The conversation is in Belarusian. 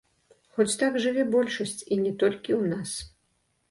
Хоць так жыве большасць, і не толькі ў нас.